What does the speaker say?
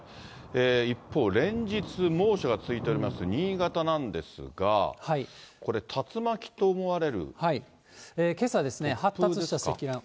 一方、連日、猛暑が続いております新潟なんですが、けさ、発達した積乱雲。